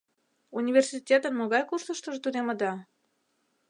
— Университетын могай курсыштыжо тунемыда?